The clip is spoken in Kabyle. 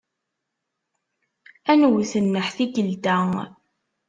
Ad nwet nneḥ tikkelt-a.